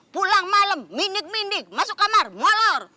pulang malem mindik mindik masuk kamar molor